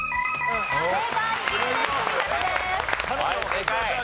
正解。